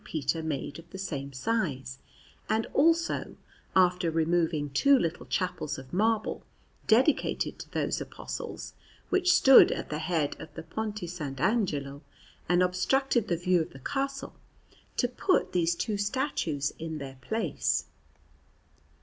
Peter made of the same size, and also, after removing two little chapels of marble, dedicated to those Apostles, which stood at the head of the Ponte S. Angelo and obstructed the view of the Castle, to put these two statues in their place.